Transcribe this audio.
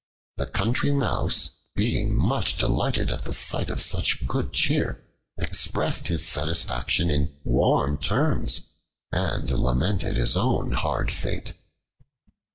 The Country Mouse, being much delighted at the sight of such good cheer, expressed his satisfaction in warm terms and lamented his own hard fate.